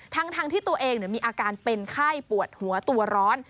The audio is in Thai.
ทั้งที่ตัวเองมีอาการเป็นไข้ปวดหัวตัวร้อน